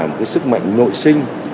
một cái sức mạnh nội sinh